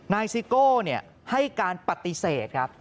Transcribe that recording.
ซิโก้ให้การปฏิเสธครับ